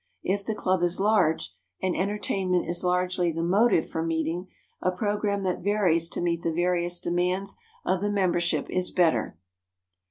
If the club is large, and entertainment is largely the motive for meeting, a program that varies to meet the various demands of the membership is better.